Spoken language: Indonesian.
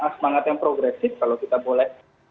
semangat yang progresif kalau kita boleh